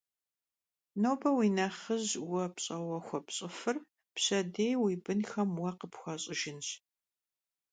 Nobe vui nexhıj vue pş'eue xuepş'ıfır pşedêy vui bınxem vue khıpxuaş'ıjjınş.